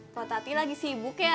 kalau tati lagi sibuk ya